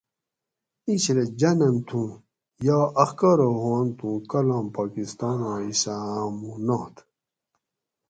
ایں چھلہ جانن تھوں یا اخکارہ ہوانت اوں کالام پاکستاناں حصّہ ہامو نات